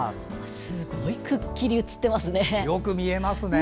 すごいくっきり写ってますね。